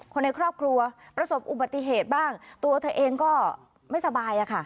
ในครอบครัวประสบอุบัติเหตุบ้างตัวเธอเองก็ไม่สบายอะค่ะ